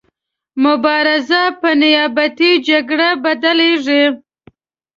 مبارزه په نیابتي جګړه بدلیږي.